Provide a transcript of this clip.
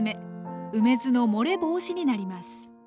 梅酢の漏れ防止になります